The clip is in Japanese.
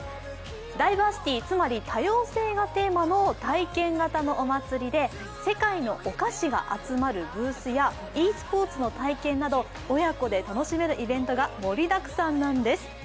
ダイバーシティ、つまり多様性がテーマの体験型のお祭りで世界のお菓子が集まるブースやｅスポーツの体験など親子で楽しめるイベントが盛りだくさんなんです。